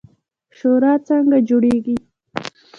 شورا څنګه جوړیږي؟